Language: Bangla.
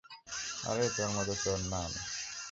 আরে তোর মতো চোর না, আমি।